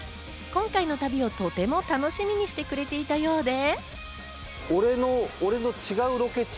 今回の旅をとても楽しみにしてくれていたようで。